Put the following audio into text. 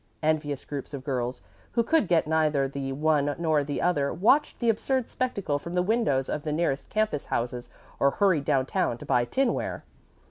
Envious groups of girls who could get neither the one nor the other watched the absurd spectacle from the windows of the nearest campus houses or hurried down town to buy tinware.